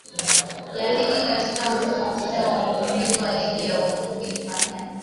Ya ligi katika msimu sita wa mfululizo wa ligi ya Uhispania